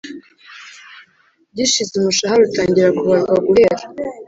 gushize Umushahara utangira kubarwa guhera